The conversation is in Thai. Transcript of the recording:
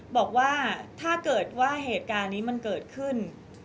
บอกว่าถ้าเกิดว่าเหตุการณ์นี้มันเกิดขึ้น